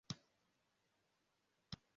Umukwe n'umugeni bafite imyenda idakomeye